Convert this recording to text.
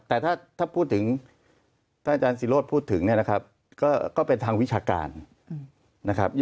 แต่ถ้าอาจารย์ศิลป์พูดถึงก็เป็นทางวิชาการนะครับ